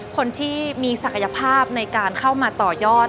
คนที่มีศักยภาพในการเข้ามาต่อยอด